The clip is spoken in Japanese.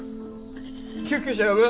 救急車呼ぶ？